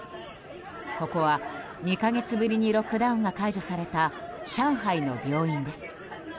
ここは２か月ぶりにロックダウンが解除された上海の病院です。